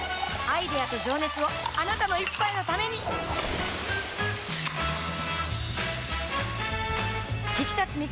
アイデアと情熱をあなたの一杯のためにプシュッ！